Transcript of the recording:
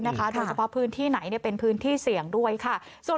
โดยเฉพาะพื้นที่ไหนเป็นพื้นที่เสี่ยงด้วยค่ะ